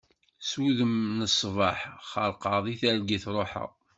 S udem n ṣṣbaḥ, xerqeɣ deg targit ṛuḥeɣ.